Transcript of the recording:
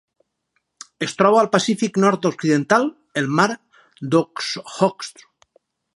Es troba al Pacífic nord-occidental: el Mar d'Okhotsk.